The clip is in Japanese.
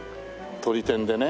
とり天でね。